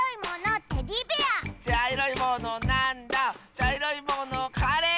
ちゃいろいものカレー！